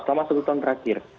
selama satu tahun terakhir